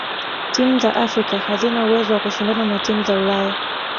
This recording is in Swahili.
timu za afrika hazina uwezo wa kushindana na timu za ulaya